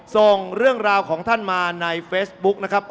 ส่งเรื่องราวของท่านมาในเฟซบุ๊คนะครับ